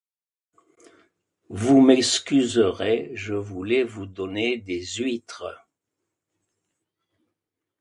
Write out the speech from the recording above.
Vous m'excuserez, je voulais vous donner des huîtres.